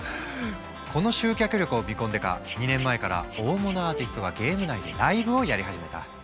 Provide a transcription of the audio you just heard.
この集客力を見込んでか２年前から大物アーティストがゲーム内でライブをやり始めた。